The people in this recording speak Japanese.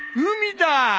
海だ！